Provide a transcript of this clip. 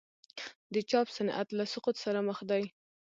د چاپ صنعت له سقوط سره مخ دی؟